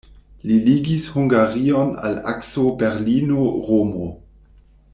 Li ligis Hungarion al akso Berlino-Romo.